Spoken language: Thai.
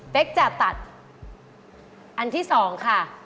จะตัดอันที่๒ค่ะ